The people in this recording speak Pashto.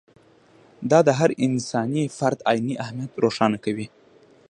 دا د هر انساني فرد عیني اهمیت روښانه کوي.